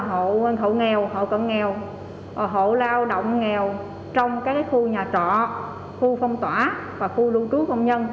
hộ nghèo hộ cận nghèo hộ lao động nghèo trong các khu nhà trọ khu phong tỏa và khu lưu trú công nhân